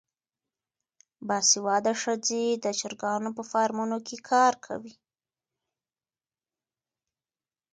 باسواده ښځې د چرګانو په فارمونو کې کار کوي.